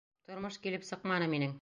Тормош килеп сыҡманы минең.